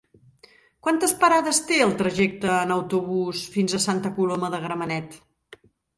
Quantes parades té el trajecte en autobús fins a Santa Coloma de Gramenet?